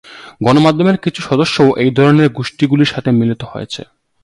গণমাধ্যমের কিছু সদস্যও এই ধরনের গোষ্ঠীগুলির সাথে মিলিত হয়েছে।